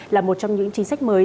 là một trong những chính sách mới